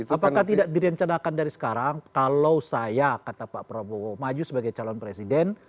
apakah tidak direncanakan dari sekarang kalau saya kata pak prabowo maju sebagai calon presiden